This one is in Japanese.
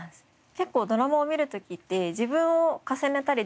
結構ドラマを見る時って自分を重ねたりだとか。